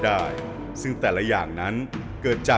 เหมือนเล็บแบบงองเหมือนเล็บตลอดเวลา